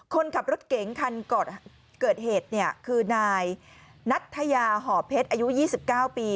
คนขับรถเก๋งคันเกิดเหตุคือนายนัทยาห่อเพชรอายุ๒๙ปี